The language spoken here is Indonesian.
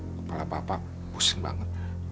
kepala bapak pusing banget